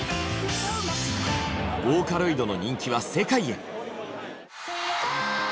ボーカロイドの人気は世界へ。